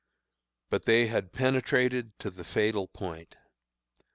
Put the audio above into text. "But they had penetrated to the fatal point.